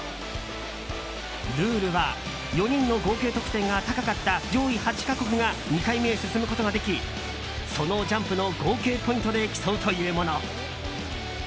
ルールは４人の合計得点が高かった上位８か国が２回目へ進むことができそのジャンプの合計ポイントで競うというもの。